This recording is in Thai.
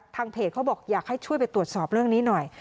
ทางเพจเขาบอกอยากให้ช่วยไปตรวจสอบเรื่องนี้หน่อย